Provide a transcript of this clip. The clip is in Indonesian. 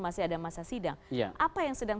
masih ada masa sidang apa yang sedang